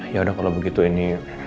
ya udah kalau begitu ini